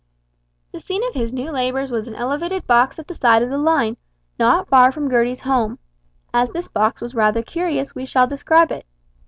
The scene of his new labours was an elevated box at the side of the line, not far from Gertie's home. As this box was rather curious we shall describe it.